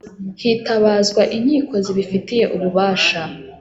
hitabazwa inkiko zibifitiye ububasha